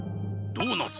ドーナツ。